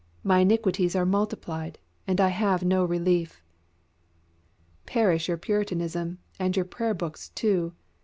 My iniquities are multiplied, and I have no relief." Perish your Puritanism, and your prayer books too!